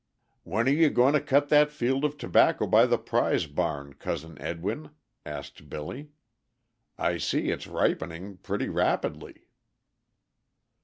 "When are you going to cut that field of tobacco by the prize barn, Cousin Edwin?" asked Billy. "I see it's ripening pretty rapidly."